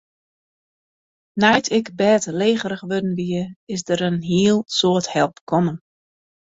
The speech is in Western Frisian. Nei't ik bêdlegerich wurden wie, is der in hiel soad help kommen.